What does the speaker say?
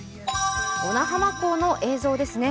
小名浜港の様子ですね。